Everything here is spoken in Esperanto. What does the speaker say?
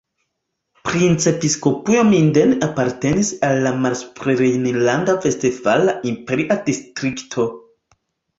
Princepiskopujo Minden apartenis al la Malsuprorejnlanda-Vestfala Imperia Distrikto.